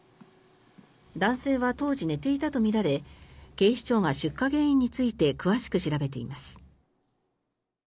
男性は当時、寝ていたとみられ警視庁が出火原因について詳しく調べています。